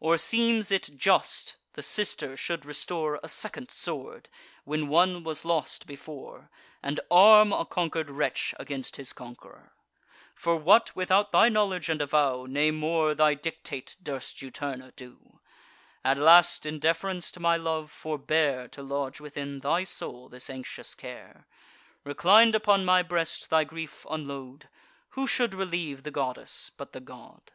Or seems it just, the sister should restore A second sword, when one was lost before, And arm a conquer'd wretch against his conqueror? For what, without thy knowledge and avow, Nay more, thy dictate, durst Juturna do? At last, in deference to my love, forbear To lodge within thy soul this anxious care; Reclin'd upon my breast, thy grief unload: Who should relieve the goddess, but the god?